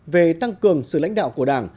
về tăng cường sự lãnh đạo của đảng